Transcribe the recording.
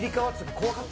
怖かった。